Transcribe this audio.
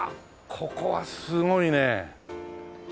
ここはすごいね。